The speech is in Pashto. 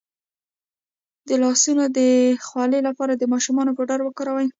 د لاسونو د خولې لپاره د ماشوم پوډر وکاروئ